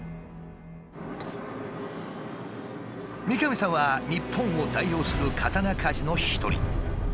三上さんは日本を代表する刀鍛冶の一人。